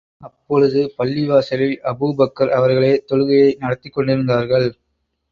அப்பொழுது, பள்ளிவாசலில் ஆபூபக்கர் அவர்களே, தொழுகையை நடத்திக் கொண்டிருந்தார்கள்.